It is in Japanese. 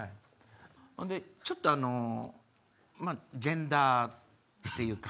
ほんでちょっとまぁジェンダーっていうか。